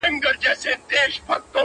او هري تيږي، هر ګل بوټي، هري زرکي به مي!